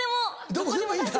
どこでもいいんだ。